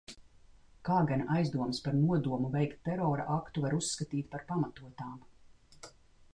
Kā gan aizdomas par nodomu veikt terora aktu var uzskatīt par pamatotām?